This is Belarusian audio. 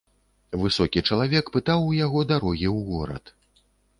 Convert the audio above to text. Высокі чалавек пытаў у яго дарогі ў горад.